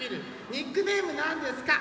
ニックネームなんですか？